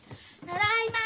ただいま。